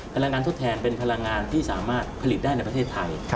พลังงานทดแทนเป็นพลังงานที่สามารถผลิตได้ในประเทศไทย